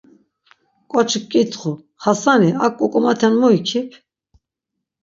Koçik k̆itxu; “Xasani ak k̆uk̆umaten mu ikip?”